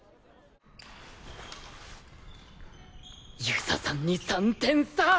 遊佐さんに３点差！